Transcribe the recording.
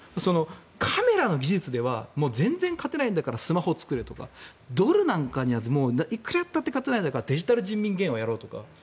カメラの技術では全然勝てないんだからスマホを作れとかドルだったらもう、いくらやったって勝てないんだからデジタル人民元をやるとか。